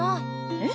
えっ？